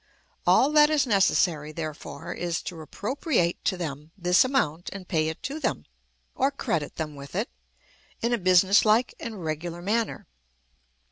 All that is necessary, therefore, is to appropriate to them this amount and pay it to them, or credit them with it, in a business like and regular manner.